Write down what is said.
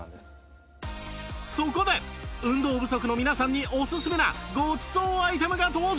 そこで運動不足の皆さんにおすすめなごちそうアイテムが登場！